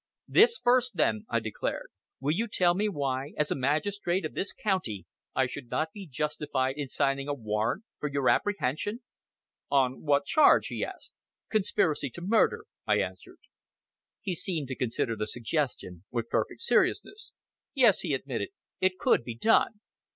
"This first, then," I declared. "Will you tell me why, as a magistrate of this county, I should not be justified in signing a warrant for your apprehension?" "On what charge?" he asked. "Conspiracy to murder," I answered. He seemed to consider the suggestion with perfect seriousness. "Yes!" he admitted, "it could be done.